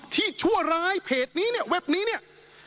ชั่วร้ายเพจนี้เนี่ยเว็บนี้เนี่ย